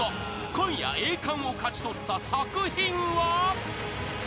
今夜栄冠を勝ち取った作品は］